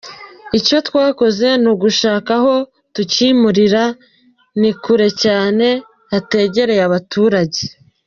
Icyo twakoze ni ugushaka aho tucyimurira, ni kure cyane hategereye abaturage.